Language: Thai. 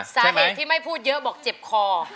สาเหตุที่ไม่พูดเยอะบอกเจ็บคอ